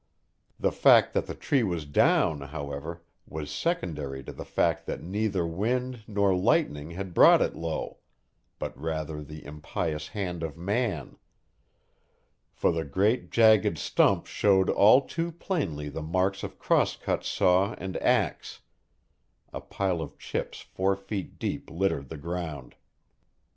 The fact that the tree was down, however, was secondary to the fact that neither wind nor lightning had brought it low, but rather the impious hand of man; for the great jagged stump showed all too plainly the marks of cross cut saw and axe; a pile of chips four feet deep littered the ground.